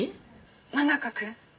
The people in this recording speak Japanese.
真中君？